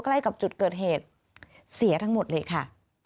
ใกล้กับจุดเกิดเหตุเสียทั้งหมดเลยค่ะ